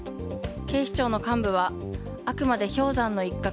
警視庁の幹部はあくまで氷山の一角。